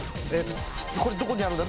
これどこにあるんだ？